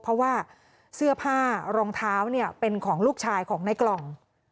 เพราะว่าเสื้อผ้ารองเท้าเป็นของลูกชายของในกล่อง